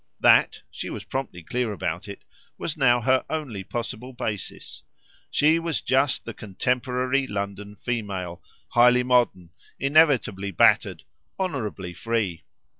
That she was promptly clear about it was now her only possible basis; she was just the contemporary London female, highly modern, inevitably battered, honourably free.